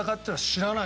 知らない。